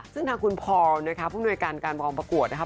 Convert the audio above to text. ซึ่งทางคุณพอร์ลนะครับผู้นวยการการประกวดนะครับ